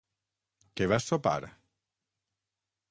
Què vas sopar?